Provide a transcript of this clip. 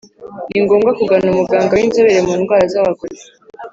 ni ngombwa kugana umuganga w’inzobere mu ndwara z’abagore